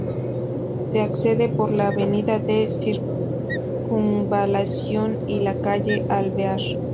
Se accede por la Avenida de Circunvalación y la calle Alvear.